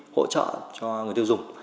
hỗ trợ cho người tiêu dùng